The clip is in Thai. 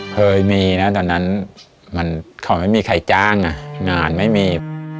เคยมีนะตอนนั้นมันเขาไม่มีใครจ้างอ่ะงานไม่มี